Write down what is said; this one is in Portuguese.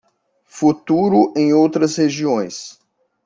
Futuro em outras regiões